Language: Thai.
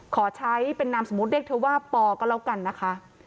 ขอใช้เป็นนามสมมุติเรียกเธอว่าปอก็แล้วกันนะคะ